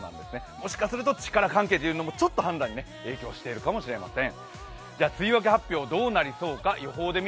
もしかすると力関係というのもちょっと判断に影響しているかもしれません。